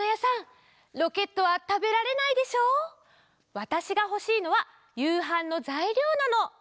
わたしがほしいのはゆうはんのざいりょうなの。